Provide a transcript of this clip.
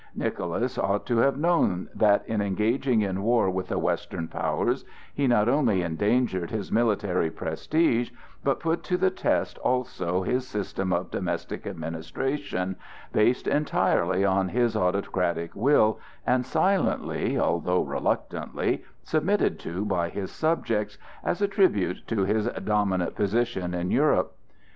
Nicholas ought to have known that, in engaging in war with the western powers, he not only endangered his military prestige, but put to the test also his system of domestic administration, based entirely on his autocratic will, and silently, although reluctantly, submitted to by his subjects, as a tribute to his dominant position in Europe.